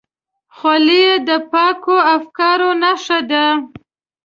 خولۍ د پاکو افکارو نښه ده.